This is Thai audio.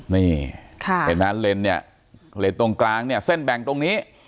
นี่เห็นมั้ยเลนส์ตรงกลางเนี่ยเส้นแบ่งตรงนี้